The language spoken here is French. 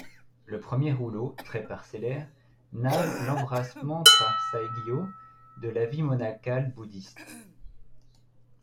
Le premier rouleau, très parcellaire, narre l’embrassement par Saigyō de la vie monacale bouddhiste.